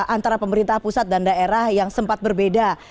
antara pemerintah pusat dan daerah yang sempat berbeda